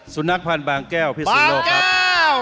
สุนัขพันธ์บางแก้วพิศนุโลกครับ